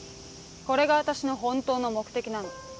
これが私の本当の目的なの。